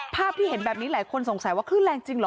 ภาพที่เห็นแบบนี้หลายคนสงสัยว่าคลื่นแรงจริงเหรอ